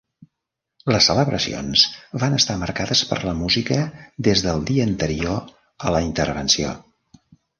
Les celebracions van estar marcades per la música des del dia anterior a la intervenció.